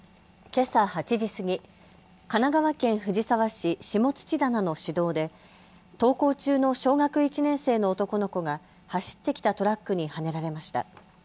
けさ８時過ぎ、神奈川県藤沢市下土棚の市道で登校中の小学１年生の男の子が走ってきたトラックにはねられました。